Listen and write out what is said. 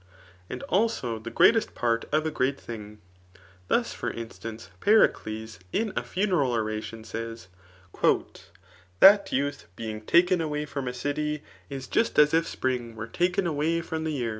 And also the greatest part of a great thuag. Thus, for instancet Pericles in a funeral oration says, That youth bong taken away from a city^ is just as if spring were ' These are the words of Phemlus in Odyss.